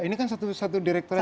ini kan satu direktur general